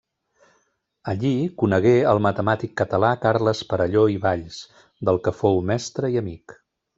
Allí conegué el matemàtic català Carles Perelló i Valls, del que fou mestre i amic.